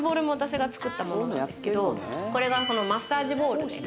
これがマッサージボールで。